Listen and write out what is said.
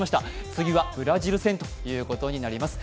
次はブラジル戦ということになります。